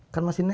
kan masih nelpon